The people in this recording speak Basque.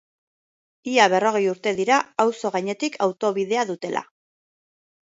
Ia berrogei urte dira auzo gainetik autobidea dutela.